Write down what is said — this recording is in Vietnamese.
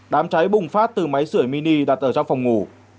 đám cháy bùng phát từ máy sửa mini đặt ở trong phòng ngủ